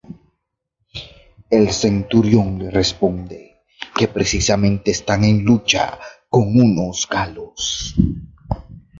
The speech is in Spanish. El centurión le responde que precisamente están en lucha con unos galos.